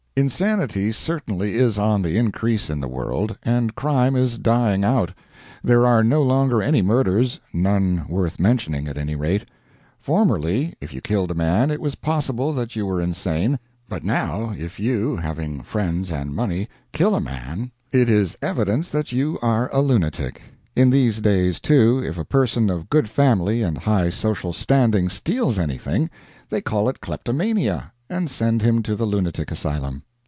Insanity certainly is on the increase in the world, and crime is dying out. There are no longer any murders none worth mentioning, at any rate. Formerly, if you killed a man, it was possible that you were insane but now, if you, having friends and money, kill a man, it is evidence that you are a lunatic. In these days, too, if a person of good family and high social standing steals anything, they call it kleptomania, and send him to the lunatic asylum.